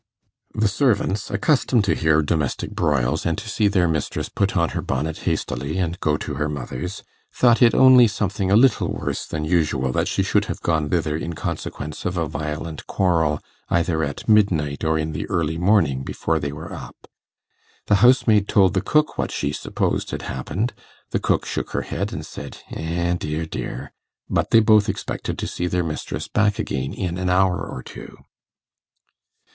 The servants, accustomed to hear domestic broils, and to see their mistress put on her bonnet hastily and go to her mother's, thought it only something a little worse than usual that she should have gone thither in consequence of a violent quarrel, either at midnight, or in the early morning before they were up. The housemaid told the cook what she supposed had happened; the cook shook her head and said, 'Eh, dear, dear!' but they both expected to see their mistress back again in an hour or two.